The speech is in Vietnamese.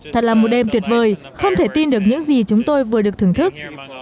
thật là một đêm tuyệt vời không thể tin được những gì chúng tôi vừa được thưởng thức